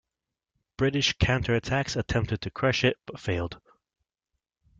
British counterattacks attempted to crush it but failed.